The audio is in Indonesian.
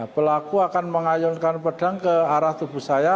pelaku akan mengayunkan pedang ke arah tubuh saya